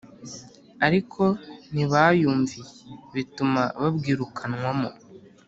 ariko ntibayumviye, bituma babwirukanwamo.